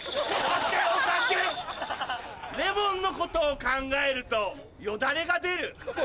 レモンのことを考えるとよだれが出る。